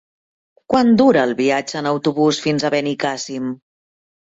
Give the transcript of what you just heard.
Quant dura el viatge en autobús fins a Benicàssim?